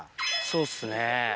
そうっすね。